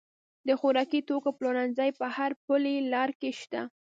د خوراکي توکو پلورنځي په هر پلې لار کې شته.